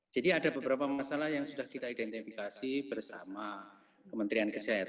jadi ada beberapa masalah yang sudah kita identifikasi bersama kementerian kesehatan